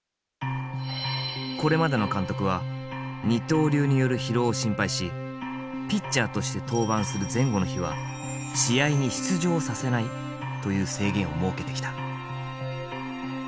これまでの監督は二刀流による疲労を心配しピッチャーとして登板する前後の日は試合に出場させないという制限を設けてきた。